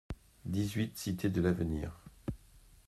dix-huit cité de l'Avenir